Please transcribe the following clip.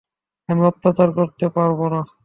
আমি অত্যাচার করতে পারব না।